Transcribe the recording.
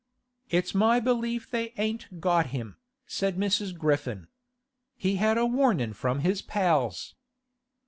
'It's my belief they ain't got him,' said Mrs. Griffin. 'He's had a warnin' from his pals.